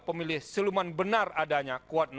pemilih seluman benar adanya